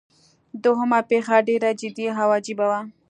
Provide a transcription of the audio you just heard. دوهمه پیښه ډیره جدي او عجیبه وه.